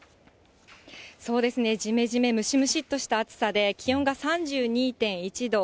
そうですね、じめじめ、ムシムシっとした暑さで、気温が３２．１度。